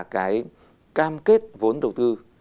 cái cam kết vốn đầu tư